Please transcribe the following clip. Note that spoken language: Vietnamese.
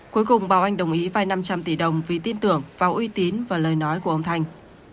cuối cùng bà anh đồng ý vai năm trăm linh tỷ đồng vì tin tưởng vào uy tín và lời nói của ông thanh